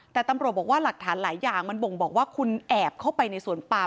แต่ตำรวจบอกว่าหลักฐานหลายอย่างมันบ่งบอกว่าคุณแอบเข้าไปในสวนปาม